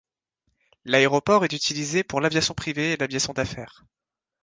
L'aéroport est utilisé pour l'aviation privée et l'aviation d'affaires.